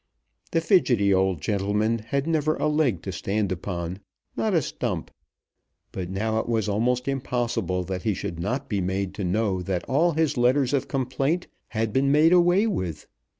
The fidgety old gentleman had never a leg to stand upon, not a stump; but now it was almost impossible that he should not be made to know that all his letters of complaint had been made away with!